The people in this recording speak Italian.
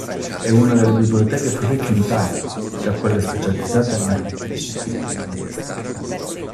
È una delle biblioteche più ricche in Italia tra quelle specializzate nelle discipline umanistiche.